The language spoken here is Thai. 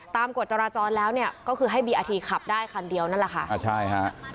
กฎจราจรแล้วเนี่ยก็คือให้บีอาทีขับได้คันเดียวนั่นแหละค่ะอ่าใช่ฮะ